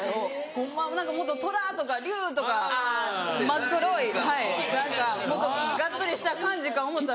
ホンマもっと虎とか竜とか真っ黒い何かもっとがっつりした感じか思うたら。